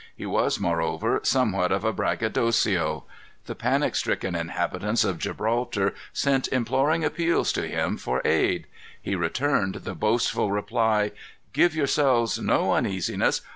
He was, moreover, somewhat of a braggadocio. The panic stricken inhabitants of Gibraltar, sent imploring appeals to him for aid. He returned the boastful reply: "Give yourselves no uneasiness.